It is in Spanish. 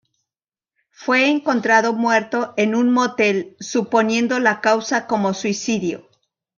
Fue encontrado muerto en un motel suponiendo la causa como suicidio.